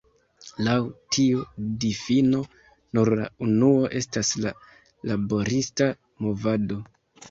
Laŭ tiu difino, nur la unuo estas la "laborista movado".